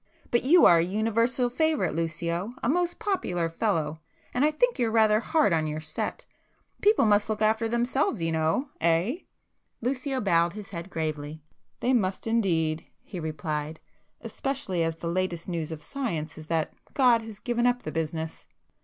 But you are a universal favourite Lucio,—a most popular fellow—and I think you're rather hard on your set. People must look after themselves you know—eh?" Lucio bowed his head gravely. [p 132]"They must indeed," he replied—"Especially as the latest news of science is that God has given up the business."